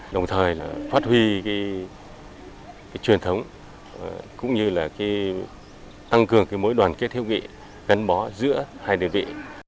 đồng thời phát huy truyền thống cũng như tăng cường mối đoàn kết hiếu nghị gắn bó giữa hai đơn vị